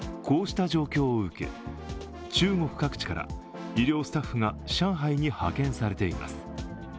こうした状況を受け、中国各地から医療スタッフが上海に派遣されています。